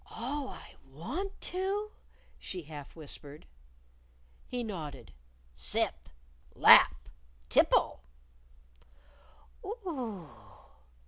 "All I want to?" she half whispered. He nodded. "Sip! Lap! Tipple!"